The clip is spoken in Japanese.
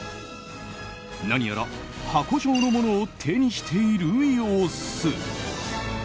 何やら、箱状のものを手にしている様子。